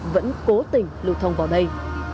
vẫn cố tình lục thông vào đây